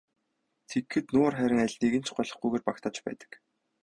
Тэгэхэд нуур харин алиныг нь ч голохгүйгээр багтааж байдаг.